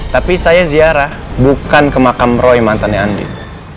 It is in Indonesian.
tapi saya ziarah bukan ke makam roy mantannya andi